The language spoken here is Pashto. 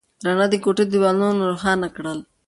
رڼا د کوټې دیوالونه روښانه کړل.